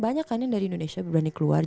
banyak kan yang dari indonesia berani keluar